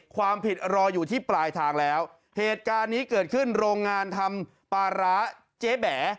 ความผิดรออยู่ที่ปลายทางแล้วเหตุการณ์นี้เกิดขึ้นโรงงานทำปลาร้าเจ๊แบ